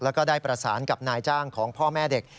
แล้วก็ได้ประสานกับนายจ้างของพ่อแม่เด็ก